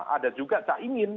ada juga caimin